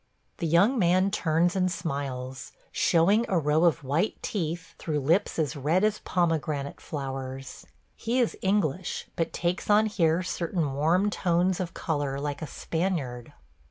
The young man turns and smiles, showing a row of white teeth through lips as red as pomegranate flowers. He is English, but takes on here certain warm tones of color like a Spaniard.